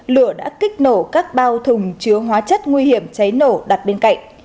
lửa đã kích nổ các bao thùng chứa hóa chất nguy hiểm cháy nổ đặt bên cạnh